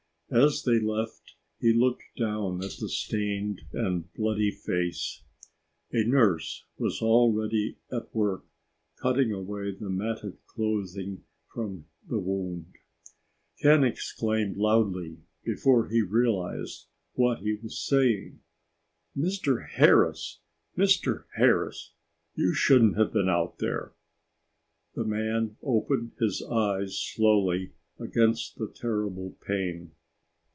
As they left, he looked down at the stained and bloody face. A nurse was already at work cutting away the matted clothing from the wound. Ken exclaimed loudly before he realized what he was saying. "Mr. Harris! Mr. Harris you shouldn't have been out there!" The man opened his eyes slowly against the terrible pain.